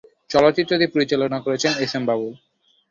চলচ্চিত্রটি পরিচালনা করেছেন এস এম বাবুল।